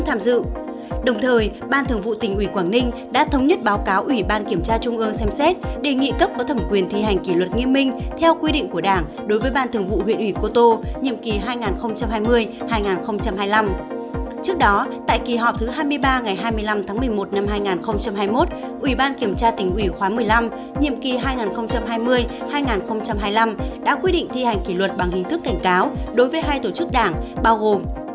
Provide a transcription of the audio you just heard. tại kỳ họp thứ hai mươi ba ngày hai mươi năm tháng một mươi một năm hai nghìn hai mươi một ủy ban kiểm tra tỉnh ủy khóa một mươi năm nhiệm kỳ hai nghìn hai mươi hai nghìn hai mươi năm đã quyết định thi hành kỷ luật bằng hình thức cảnh cáo đối với hai tổ chức đảng bao gồm